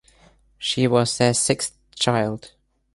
She was their sixth child.